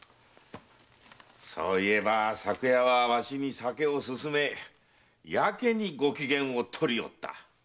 そういえば昨夜はわしに酒を勧めやけにご機嫌をとりおった。